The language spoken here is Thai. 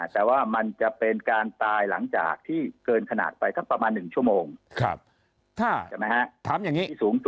แต่ว่ามันจะเป็นการตายหลังจากที่เกินขนาดไปสักประมาณ๑ชั่วโมง